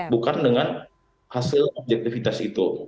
bukan dengan hasil objektivitas itu